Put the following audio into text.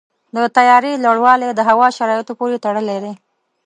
د طیارې لوړوالی د هوا شرایطو پورې تړلی دی.